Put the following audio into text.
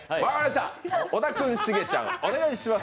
小田君、シゲちゃんお願いします。